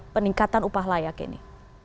peningkatan upah layak ini